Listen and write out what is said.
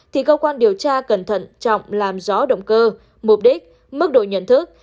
thì cơ quan điều tra cẩn thận trọng làm rõ động cơ mục đích mức độ nhận thức